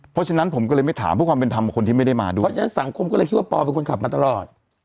เพราะฉะนั้นผมก็เลยไม่ถามเพื่อความเป็นธรรมกับคนที่ไม่ได้มาด้วยเพราะฉะนั้นสังคมก็เลยคิดว่าปอเป็นคนขับมาตลอด